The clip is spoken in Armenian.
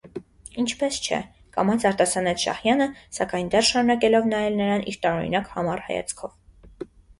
- Ինչպես չէ,- կամաց արտասանեց Շահյանը, սակայն դեռևս շարունակելով նայել նրան իր տարօրինակ համառ հայացքով: